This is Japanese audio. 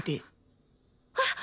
あっ！